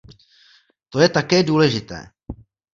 To je také důležité.